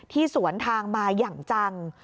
สวนทางมาอย่างจัง